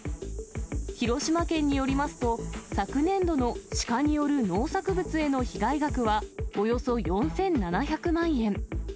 広島県によりますと、昨年度のシカによる農作物への被害額はおよそ４７００万円。